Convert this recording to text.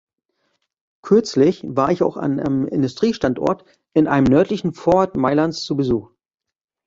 Kürzlich war ich auch an einem Industriestandort in einem nördlichen Vorort Mailands zu Besuch.